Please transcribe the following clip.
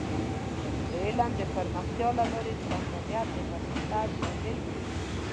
د علم د پراختیا له لارې د بشریت د پرمختګ لامل کیږي.